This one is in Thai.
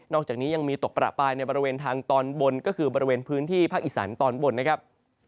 อกจากนี้ยังมีตกประปายในบริเวณทางตอนบนก็คือบริเวณพื้นที่ภาคอีสานตอนบนนะครับ